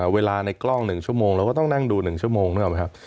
เวลาในกล้องหนึ่งชั่วโมงเราก็ต้องนั่งดูหนึ่งชั่วโมงนะครับ